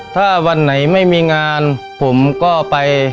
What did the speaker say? ถ้าวันไหนไม่มีงานผมก็ไป